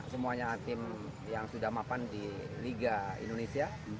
semuanya tim yang sudah mapan di liga indonesia